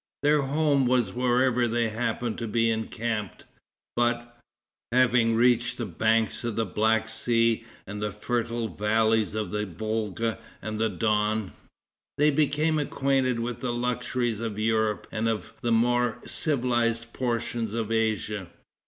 Their home was wherever they happened to be encamped, but, having reached the banks of the Black Sea and the fertile valleys of the Volga and the Don, they became acquainted with the luxuries of Europe and of the more civilized portions of Asia.